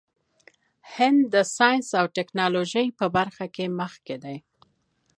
هند د ساینس او ټیکنالوژۍ په برخه کې مخکې دی.